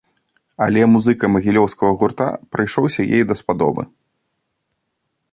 Але музыка магілёўскага гурта прыйшлася ёй даспадобы.